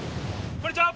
こんにちは！